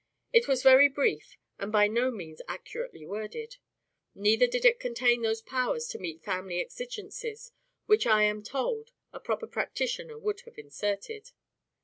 It was very brief, and by no means accurately worded; neither did it contain those powers to meet family exigencies, which I am told a proper practitioner would have inserted.